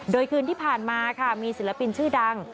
โดยคืนที่ผ่านมาค่ะมีศิลปินชื่อดัง